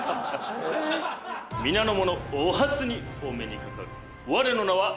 皆の者お初にお目にかかる。